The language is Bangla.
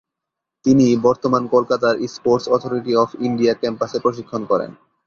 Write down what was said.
তিনি বর্তমানে কলকাতার স্পোর্টস অথরিটি অফ ইন্ডিয়া ক্যাম্পাসে প্রশিক্ষণ করেন।